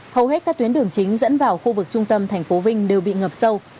hầu hết các tuyến đường chính dẫn vào khu vực trung tâm thành phố vinh đều bị ngập sâu